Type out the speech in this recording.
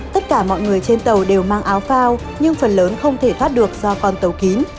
tất cả mọi người trên tàu đều mang áo phao nhưng phần lớn không thể thoát được do con tàu kín